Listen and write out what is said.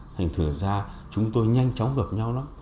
thành thử ra chúng tôi nhanh chóng gặp nhau lắm